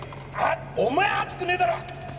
お前熱くねえだろ！